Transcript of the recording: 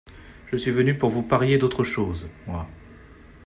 Je suis venu pour vous parier d’autre chose, moi.